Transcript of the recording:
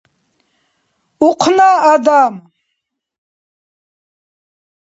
Ухъна адам.